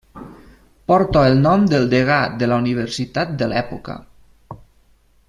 Porta el nom del degà de la universitat de l'època.